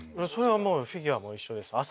それはもうフィギュアも一緒です。